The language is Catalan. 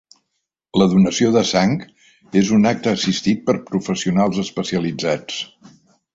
La donació de sang és un acte assistit per professionals especialitzats.